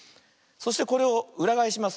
そしてこれをうらがえします。